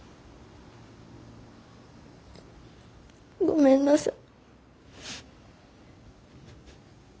ごめんなさい。